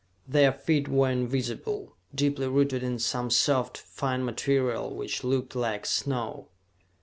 Their feet were invisible, deeply rooted in some soft, fine material which looked like snow.